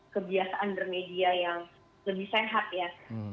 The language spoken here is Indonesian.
kebiasaan bermedia yang lebih sehat ya